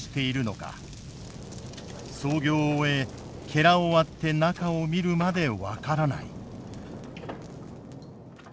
操業を終えを割って中を見るまで分からない。